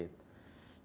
jadi saya ingat sekali